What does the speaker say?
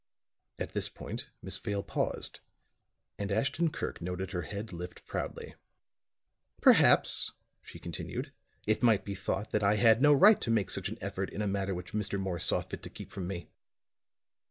At this point Miss Vale paused; and Ashton Kirk noted her head lift proudly. "Perhaps," she continued, "it might be thought that I had no right to make such an effort in a matter which Mr. Morris saw fit to keep from me.